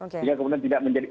sehingga kemudian tidak menjadi